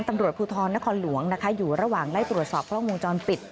ตำรวจภูทรนครหลวงนะคะอยู่ระหว่างไล่ตรวจสอบกล้องวงจรปิด